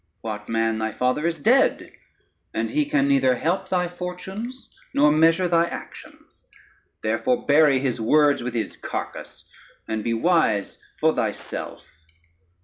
What, man, thy father is dead, and he can neither help thy fortunes, nor measure thy actions; therefore bury his words with his carcase, and be wise for thyself.